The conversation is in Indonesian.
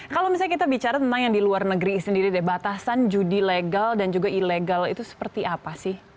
kalau misalnya kita bicara tentang yang di luar negeri sendiri deh batasan judi legal dan juga ilegal itu seperti apa sih